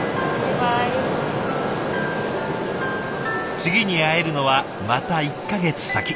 次に会えるのはまた１か月先。